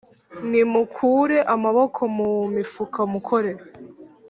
Nimukure amaboko mu mifuka mukore